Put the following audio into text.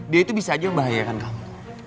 dia itu bisa aja membahayakan kamu